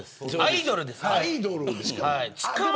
アイドルですから。